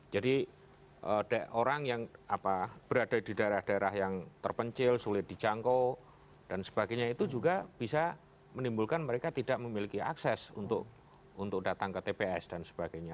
jadi orang yang berada di daerah daerah yang terpencil sulit dicangkau dan sebagainya itu juga bisa menimbulkan mereka tidak memiliki akses untuk datang ke tps dan sebagainya